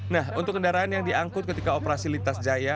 nah untuk kendaraan yang diangkut ketika operasi lintas jaya